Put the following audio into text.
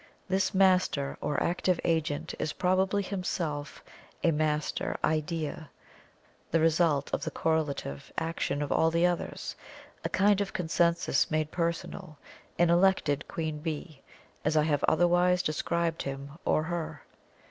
This master or active agent is probably himself a Master Idea the result of the correlative action of all the others, a kind of consensus made personal, an elected Queen Bee, as I have otherwise described him or her.